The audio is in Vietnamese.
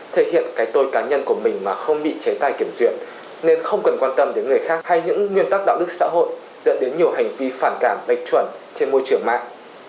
thể hiện cái tôi cá nhân của mình mà không bị chế tài kiểm duyệt nên không cần quan tâm đến người khác hay những nguyên tắc đạo đức xã hội dẫn đến nhiều hành vi phản cảm lệch chuẩn trên môi trường mạng